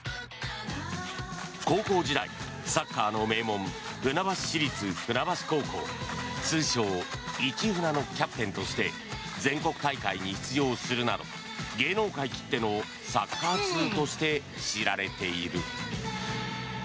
高校時代、サッカーの名門船橋市立船橋高校通称・市船のキャプテンとして全国大会に出場するなど芸能界きってのサッカー通として知られている。